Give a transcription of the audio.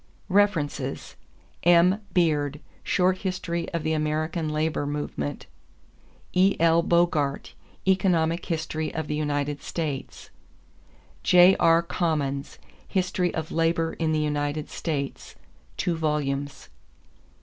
=References= M. Beard, Short History of the American Labor Movement. E.L. Bogart, Economic History of the United States. J.R. Commons, History of Labour in the United States (2 vols.).